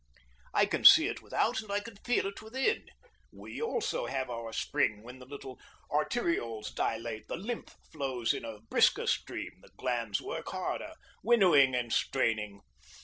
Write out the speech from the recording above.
I can see it without, and I can feel it within. We also have our spring when the little arterioles dilate, the lymph flows in a brisker stream, the glands work harder, winnowing and straining.